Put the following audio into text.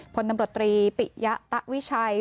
พลตำรวจตรีปิยะตะวิชัย